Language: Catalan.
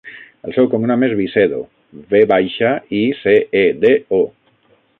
El seu cognom és Vicedo: ve baixa, i, ce, e, de, o.